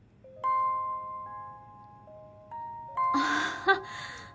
あっ。